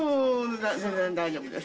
全然大丈夫です。